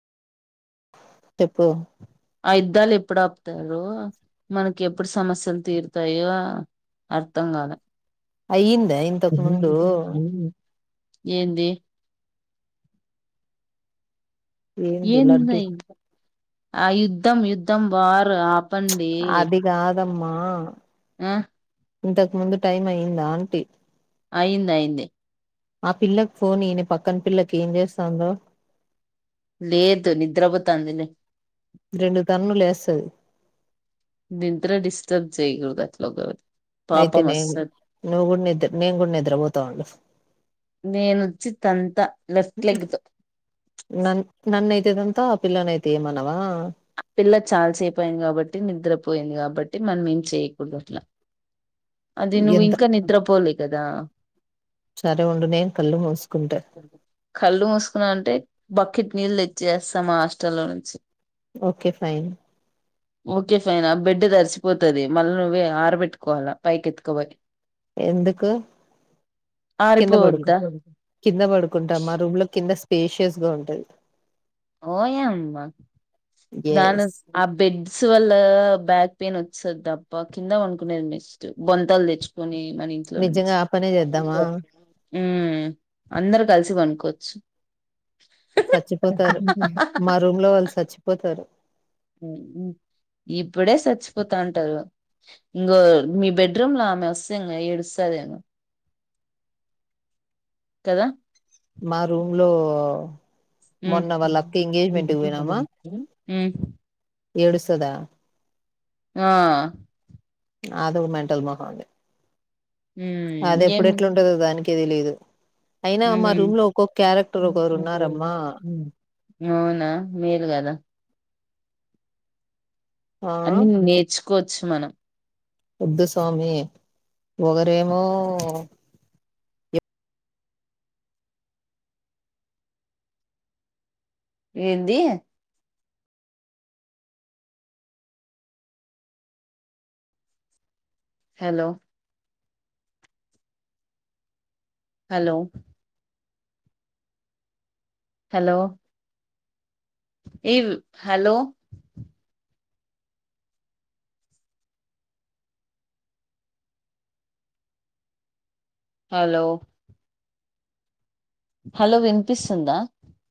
తేప్పో యుద్దాలు ఎప్పుడు ఆప్తారో మనకి ఎప్పుడు సమస్యలు తీర్తాయో అర్థం కాలే అయ్యింద ఇంతక్ ముందూ ఏంది ఏంది ఏందుంద లడ్డు ఇంక ఆ యుద్ధం యుద్ధం వార్ ఆప్ అది కాదమ్మా ఆ ఇంతక్ ముందు టైమ్ అయ్యిందా అంటి అయింది అయింది ఆ పిల్లక్ ఫోన్ ఈ ని పక్కన పిల్లకి ఏం చేస్తాందో లేదు నిద్రపోతాంది లే తది నిద్ర డిస్డబ్ చెయకుడదు అట్ల ఒకలది అయితె నేన్ నువ్ కూడ నిద్దర్ నేన్ కూడ నిద్రపోత ఉండు నేను వచ్చి తంతా లెఫ్ట్ లెగ్ తో నన్ నన్నైతే తేదంత పిల్ల నైతే ఏమనవా ఆ పిల్ల చాల్సేపు అయింది కాబట్టి నిద్రపొయింది కాబట్టి మనం ఏం చేయకూడదు అట్ల అది ఎంత నువ్వింక నిద్ర పోలీ దదా సరే ఉండు నేను కళ్ళు మూసుకుంట కళ్ళు మూసుకున్నా అంటే బకెట్ నీళ్లు తెచ్చేస్తా మా హాస్టల్లో నుంచి ఓకే ఫైన్ ఓకే ఫైనా బెడ్ తడిసి మచ్చిపోతది మళ్ళ నువ్వే ఆరబెట్టుకోవాలా పైకి ఎతుకవోయ్ ఎందుకు కింద పడుకు ఆరిపోవద్దా కింద పడుకుంటాం మా రూమ్ లో కింద స్పేషియస్ గా ఉంటది ఓయమ్మ దాను ఎస్ ఆ బెడ్స్ వల్ల బ్యాక్ పేన్ వస్తది దప్ప కింద వండుకునేది బెస్ట్ బొంతలు తెచ్చుకొని మన ఇంట్లో నుంచి నిజంగా ఆ పనే చేద్దామా ఉమ్ అందరు కలిసి పానుకో క్షి సచ్చిపో పోతరు మా రూమ్ లో వాళ్ళు చచ్చిపోతారు పోతా అంటారు ఇంకో మీ బెడ్రూమ్ లో ఆమె వస్తా ఇం ఏడుస్తందిమో కదా మా రూమ్ లో ఉమ్ మొన్న వాళ్ళ అక్క ఎంగేజ్మెంట్ కి ఉమ్ పోయినామా ఏడుస్తదా ఆ అది ఒకా మెంటల్ మోకంది హ్మ్. అద ఇంగేం ఎప్పుడు ఎట్లాంటదో దాని కె తెలీదు ఉన్నారమ్మా ఉహుమ్ అవునా మేల్ కదా ఆ అన్ని నేర్చు కోవచ్చు మనం వద్దు స్వామి ఒగరు ఎమో ఏంది హలో హలో హలో ఎమ్ హలో హలో హలో వినిపిస్తుందా